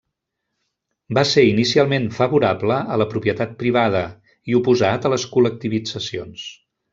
Va ser inicialment favorable a la propietat privada i oposat a les col·lectivitzacions.